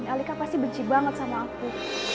alika pasti benci banget sama aku